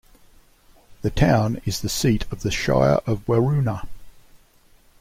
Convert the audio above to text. The town is the seat of the Shire of Waroona.